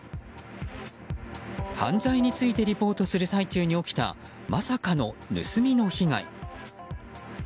犯罪についてリポートする最中に起きたまさかの盗みの被害。